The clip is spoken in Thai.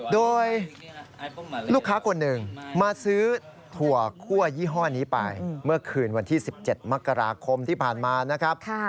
โดยลูกค้าคนหนึ่งมาซื้อถั่วคั่วยี่ห้อนี้ไปเมื่อคืนวันที่๑๗มกราคมที่ผ่านมานะครับ